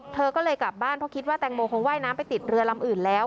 เธอก็เลยกลับบ้านเพราะคิดว่าแตงโมคงว่ายน้ำไปติดเรือลำอื่นแล้ว